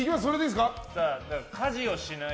家事をしない。